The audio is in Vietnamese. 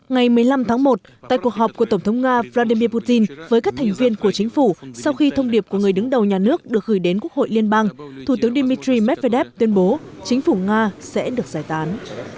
ngày một mươi năm tháng một tại cuộc họp của tổng thống nga vladimir putin với các thành viên của chính phủ sau khi thông điệp của người đứng đầu nhà nước được gửi đến quốc hội liên bang thủ tướng dmitry medvedev tuyên bố chính phủ nga sẽ được giải tán